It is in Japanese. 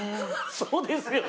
そうですよね？